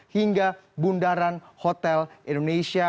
hingga bundaran hotel indonesia